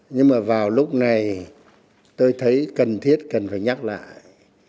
nhưng mà vào lúc này tôi thấy cần thiết cần phải nhắc lại